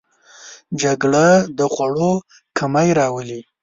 جګړه د خوړو کمی راولي